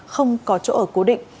không có chỗ ở cố định